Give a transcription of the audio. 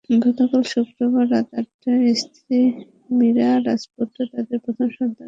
গতকাল শুক্রবার রাত আটটায় স্ত্রী মিরা রাজপুত তাঁদের প্রথম সন্তানের জন্ম দেন।